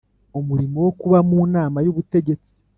Umulimo wo kuba mu Nama y Ubutegetsi